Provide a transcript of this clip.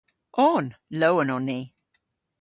On. Lowen on ni.